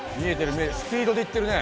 スピードで行ってるね。